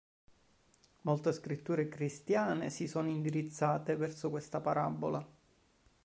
Molte scritture cristiane si sono indirizzate verso questa parabola.